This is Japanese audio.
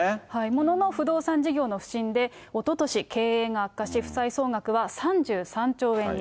ものの不動産事業の不振で、おととし経営が悪化し、負債総額は３３兆円に。